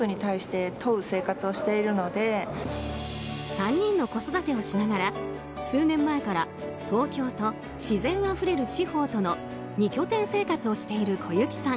３人の子育てをしながら数年前から東京と自然あふれる地方との二拠点生活をしている小雪さん。